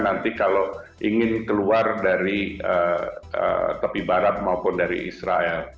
nanti kalau ingin keluar dari tepi barat maupun dari israel